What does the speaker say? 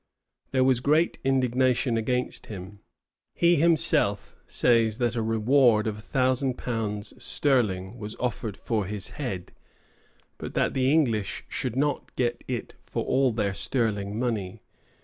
There was great indignation against him. He himself says that a reward of a thousand pounds sterling was offered for his head, but that the English should not get it for all their sterling money.